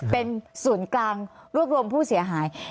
เป็นส่วนกลางรวบรวมผู้เสียหาย